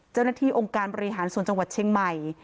เจ้าหน้าที่องค์การบริหารส่วนจังหวัดเชียงใหม่